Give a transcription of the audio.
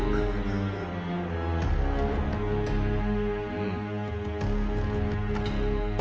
うん。